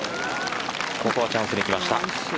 ここはチャンスできました。